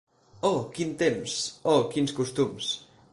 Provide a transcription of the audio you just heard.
Oh, quins temps!, oh, quins costums!